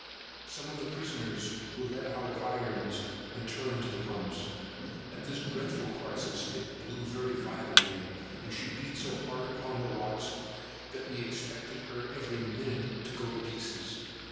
Some of the prisoners were let out of irons, and turned to the pumps. At this dreadful crisis, it blew very violently; and she beat so hard upon the rocks, that we expected her, every minute, to go to pieces.